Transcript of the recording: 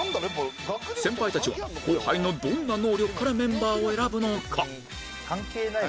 先輩たちは後輩のどんな能力からメンバーを選ぶのか？